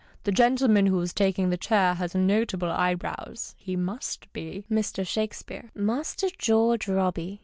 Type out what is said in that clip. The gentleman who is taking the chair has notable eyebrows ; he must be Mr. Shakespeare. — Master George Robey.